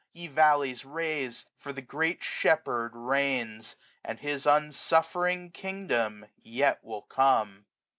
Ye valleys, raise; for the Great Shepherd reigns; And his unsuflfering kingdom yet will come.